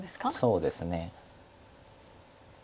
そうですね。